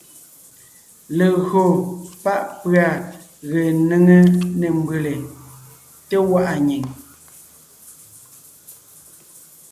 Legÿo pá’ pʉ̀a ge néŋe nê mbʉ́lè, té gwaʼa nyìŋ,